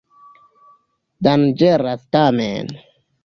Danĝeras tamen.